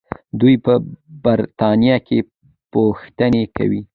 دوی په برتانیا کې پوښتنې کوي.